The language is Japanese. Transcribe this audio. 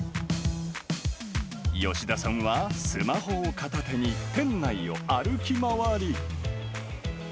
吉田さんは、スマホを片手に店内を歩き回り。